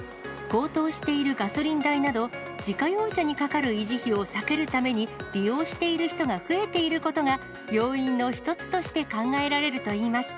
高騰しているガソリン代など、自家用車にかかる維持費を避けるために利用している人が増えていることが、要因の一つとして考えられるといいます。